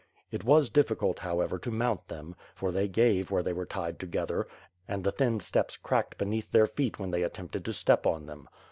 It was difficult, however, to mount them, for they gave where they were tied together, and the thin steps cracked be neath their feet when they attempted to step on them.